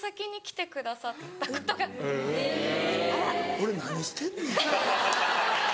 俺何してんねん。